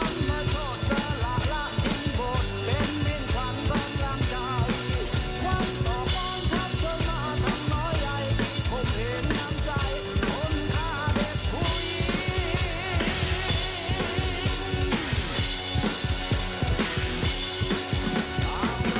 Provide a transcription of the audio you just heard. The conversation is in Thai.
สนับสนุนโดยโฟมล้างมือคิเระอิคิเระอิ